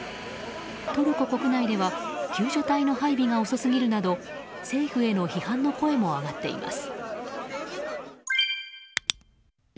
トルコ国内では救助隊の配備が遅すぎるなど政府への批判の声も上がっています。